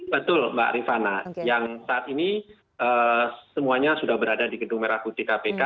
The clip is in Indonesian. betul mbak rifana yang saat ini semuanya sudah berada di gedung merah putih kpk